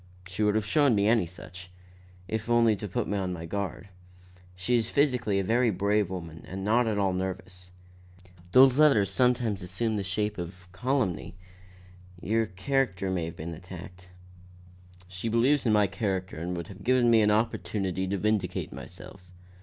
"She would have shown me any such, if only to put me on my guard. She is physically a very brave woman and not at all nervous." "Those letters sometimes assume the shape of calumny. Your character may have been attacked." "She believes in my character and would have given me an opportunity to vindicate myself.